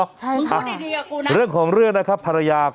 มึงวิ่งเห็นไหมนะ